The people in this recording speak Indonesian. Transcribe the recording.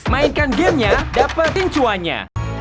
mainkan gamenya dapat pincuannya